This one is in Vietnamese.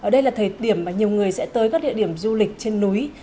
đây là thời điểm mà nhiều người sẽ tới các địa điểm du lịch trên núi